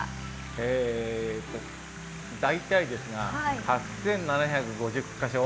えと大体ですが８，７５０か所。